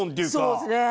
そうですね。